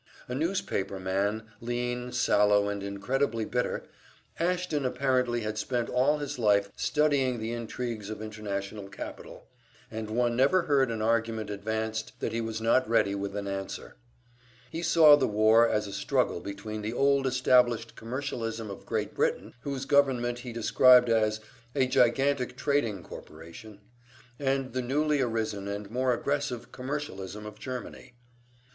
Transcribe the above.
A newspaper man, lean, sallow, and incredibly bitter, Ashton apparently had spent all his life studying the intrigues of international capital, and one never heard an argument advanced that he was not ready with an answer. He saw the war as a struggle between the old established commercialism of Great Britain, whose government he described as "a gigantic trading corporation," and the newly arisen and more aggressive commercialism of Germany.